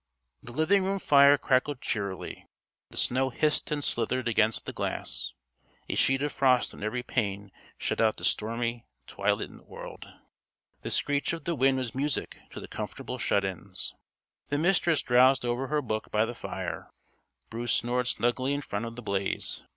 The living room fire crackled cheerily. The snow hissed and slithered against the glass. A sheet of frost on every pane shut out the stormy twilit world. The screech of the wind was music to the comfortable shut ins. The Mistress drowsed over her book by the fire. Bruce snored snugly in front of the blaze.